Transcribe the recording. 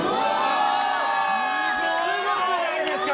すごくないですか？